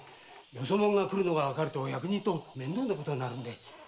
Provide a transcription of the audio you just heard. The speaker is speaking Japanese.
よそ者が来るのがわかると役人と面倒なことになるんで。